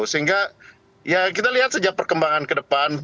sehingga ya kita lihat sejak perkembangan ke depan